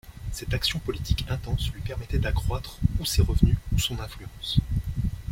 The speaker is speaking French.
Cette action politique intense lui permettait d'accroître ou ses revenus ou son influence.